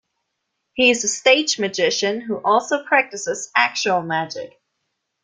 He is a stage magician who also practices actual magic.